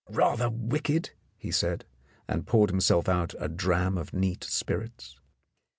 "Rather wicked," he said, and poured himself out a dram of neat spirits.